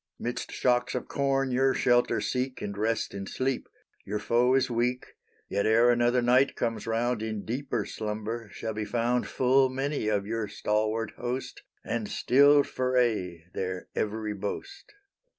'Midst shocks of corn your shelter seek, And rest in sleep; your foe is weak, Yet ere another night comes 'round In deeper slumber shall be found Full many of your stalwart host, And stilled for aye their every boast.